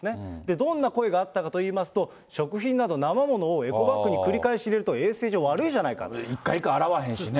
どんな声があったかといいますと、食品など生ものをエコバッグに繰り返し入れると、衛生上悪いじゃ１回１回洗わへんしね。